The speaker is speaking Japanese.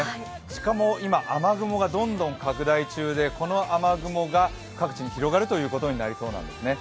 しかも今、雨雲がどんどん拡大中でこの雨雲が各地に広がるということになりそうなんです。